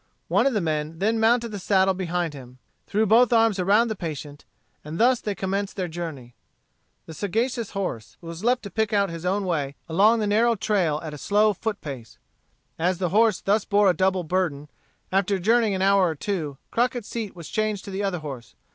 One of the men then mounted the saddle behind him, threw both arms around the patient, and thus they commenced their journey. The sagacious horse was left to pick out his own way along the narrow trail at a slow foot pace. As the horse thus bore a double burden, after journeying an hour or two, Crockett's seat was changed to the other horse.